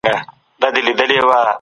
ارزښتونه او باورونه زموږ هویت جوړوي.